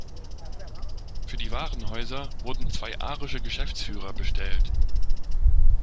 Für die Warenhäuser wurden zwei arische Geschäftsführer bestellt.